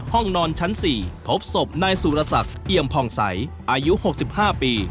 ห้องนอนชั้นสี่พบศพนายสุรสัตว์เกี่ยมผ่องใสอายุหกสิบห้าปี